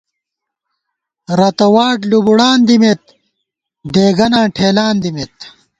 رتہ واٹ لُوبُوڑان دِمېت ، دېگَناں ٹھېلان دِمېت